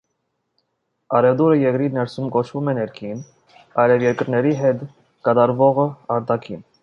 Առևտուրը երկրի ներսում կոչվում է ներքին, այլ երկրների հետ կատարվողը՝ արտաքին։